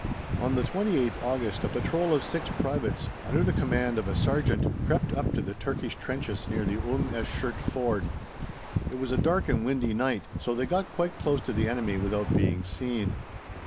On the 28th August a patrol of six privates, under the command of a sergeant, crept up to the Turkish trenches near the Umm esh Shert Ford. It was a dark and windy night, so they got quite close to the enemy without being seen.